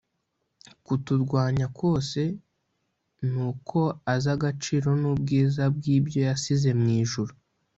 Kuturwanya kose ni uko azi agaciro n’ubwiza bw’ibyo yasize mu ijuru